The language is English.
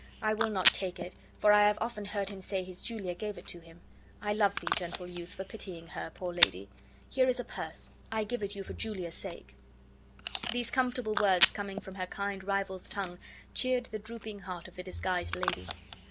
I will not take it, for I have often heard him say his Julia gave it to him. I love thee, gentle youth, for pitying her, poor lady! Here is a purse; I give it you for Julia's sake." These comfortable words coming from her kind rival's tongue cheered the drooping heart of the disguised lady.